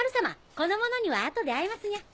この者には後で会えますにゃ。